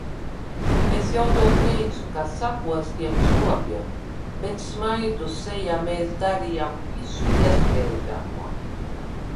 Es jau tev teicu, ka sakostiem zobiem, bet smaidu sejā mēs darījām visu iespējamo.